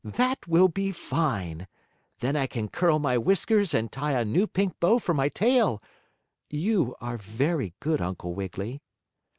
"That will be fine! Then I can curl my whiskers and tie a new pink bow for my tail. You are very good, Uncle Wiggily."